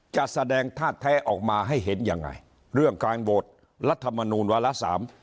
จะแสดงท่าแท้ออกมาให้เห็นยังไงเรื่องการโหวตรัฐมนูลวาระสาม